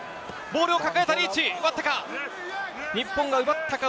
ボールを抱えたリーチ、奪ったか？